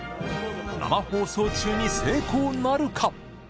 生放送中に成功なるか。